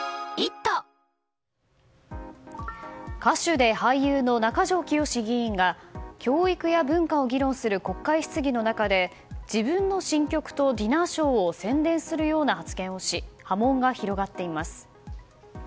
歌手で俳優の中条きよし議員が教育や文化を議論する国会質疑の中で自分の新曲とディナーショーを宣伝するような発言をし波紋が広がっています。